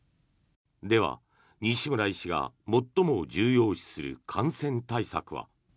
では、西村医師が最も重要視する感染対策は。